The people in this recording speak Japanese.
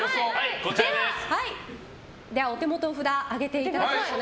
お手元の札上げていただきましょう。